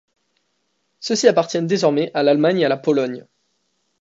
Ceux-ci appartiennent désormais à l'Allemagne et à la Pologne.